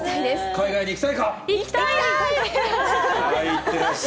海外に行きたいか？